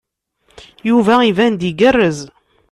Yuba iban-d igerrez.